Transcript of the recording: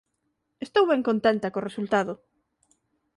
Estou ben contenta co resultado